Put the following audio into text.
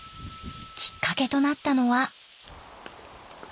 きっかけとなったのは。